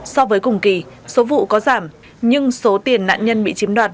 so với cùng kỳ số vụ có giảm nhưng số tiền nạn nhân bị chiếm đoạt